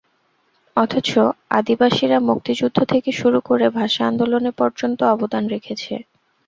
অথচ আদিবাসীরা মুক্তিযুদ্ধ থেকে শুরু করে ভাষা আন্দোলনে পর্যন্ত অবদান রেখেছে।